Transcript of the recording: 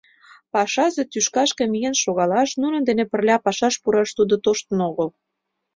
Пашазе тӱшкашке миен шогалаш, нунын дене пырля пашаш пураш тудо тоштын огыл.